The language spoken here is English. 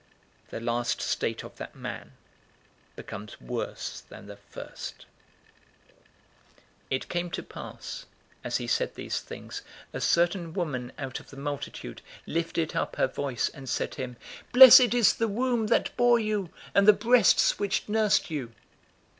The last state of that man becomes worse than the first." 011:027 It came to pass, as he said these things, a certain woman out of the multitude lifted up her voice, and said to him, "Blessed is the womb that bore you, and the breasts which nursed you!"